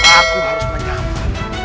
aku harus menyambar